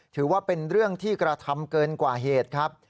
ถือว่าเป็นเรื่องที่กระทำเกินกว่าเหตุครับ